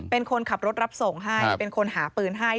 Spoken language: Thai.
เป็นคนขับรถรับส่งให้เป็นคนหาปืนให้